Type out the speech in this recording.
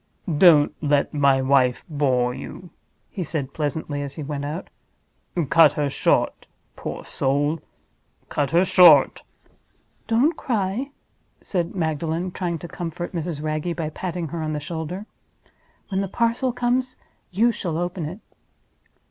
"Don't let my wife bore you," he said, pleasantly, as he went out. "Cut her short, poor soul—cut her short!" "Don't cry," said Magdalen, trying to comfort Mrs. Wragge by patting her on the shoulder. "When the parcel comes back you shall open it."